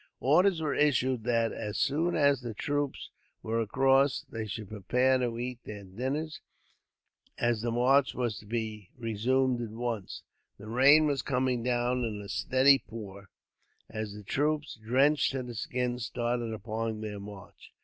Orders were issued that, as soon as the troops were across, they should prepare to eat their dinners, as the march was to be resumed at once. The rain was coming down in a steady pour as the troops, drenched to the skin, started upon their march.